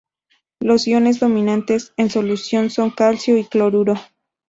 Los iones dominantes en solución son calcio y cloruro.